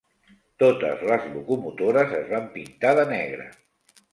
Totes les locomotores es van pintar de negre.